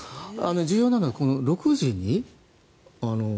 重要なのは、６時に。